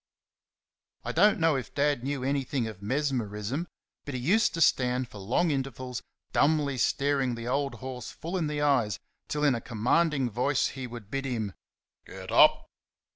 I don't know if Dad knew anything of mesmerism, but he used to stand for long intervals dumbly staring the old horse full in the eyes till in a commanding voice he would bid him, "Get up!"